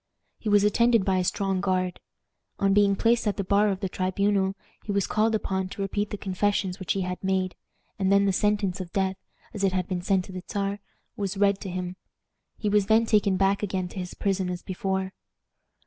He was attended by a strong guard. On being placed at the bar of the tribunal, he was called upon to repeat the confessions which he had made, and then the sentence of death, as it had been sent to the Czar, was read to him. He was then taken back again to his prison as before.